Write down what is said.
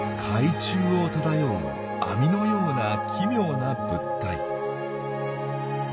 海中を漂う網のような奇妙な物体。